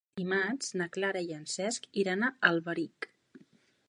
Dimarts na Clara i en Cesc iran a Alberic.